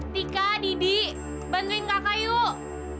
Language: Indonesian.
tika didi bantuin kakak yuk